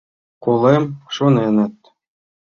Колем, шоненыт.